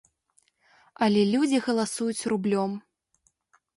Але людзі галасуюць рублём.